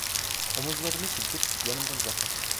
Omuzlarını silkip yanımdan uzaklaştılar.